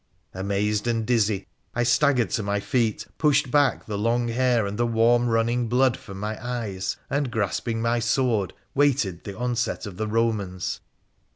Amazed and dizzy, I staggered to my feet, pushed back the long hair and the warm running blood from my eyes, and, grasping my sword, waited the onset of the Romans.